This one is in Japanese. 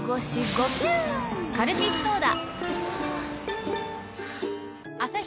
カルピスソーダ！